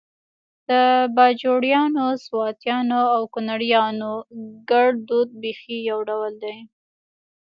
د باجوړیانو، سواتیانو او کونړیانو ګړدود بیخي يو ډول دی